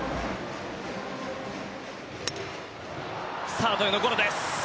サードへのゴロです。